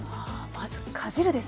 まずかじるです